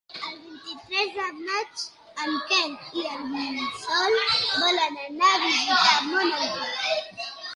El vint-i-tres de maig en Quel i en Sol volen anar a visitar mon oncle.